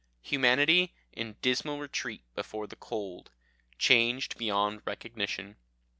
Humanity in dismal retreat before the cold, changed beyond recognition.